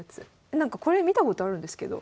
なんかこれ見たことあるんですけど。